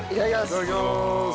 いただきます。